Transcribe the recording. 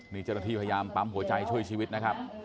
มีจรภีพยายามปั๊มหัวใจช่วยชีวิตนะครับ